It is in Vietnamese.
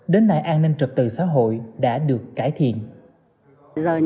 đến nay an ninh trật tự xã hội đã được cải thiện